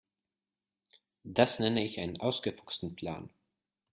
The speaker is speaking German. Das nenne ich einen ausgefuchsten Plan.